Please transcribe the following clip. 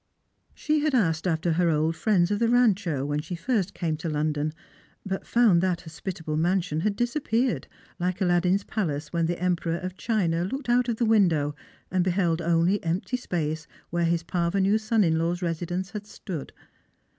She had asked after her old friends of the Rancho when she first came to London, but found that hospitable mansion had disappeared, like Aladdin's palace when the Emperor of China looked out of the window and beheld only empty space where his parvenu son in law's residence had stood.